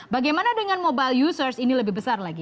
bagaimana dengan mobile users ini lebih besar lagi